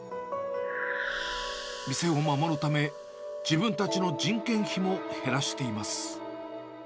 店を守るため、自分たちの人件費も減らしています。